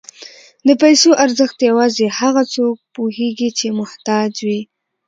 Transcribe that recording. د پیسو ارزښت یوازې هغه څوک پوهېږي چې محتاج وي.